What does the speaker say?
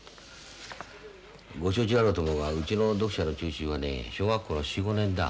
ご承知だろうと思うがうちの読者の中心はね小学校の４５年だ。